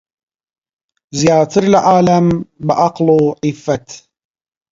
زیاتر لە عالەم بە عەقڵ و عیففەت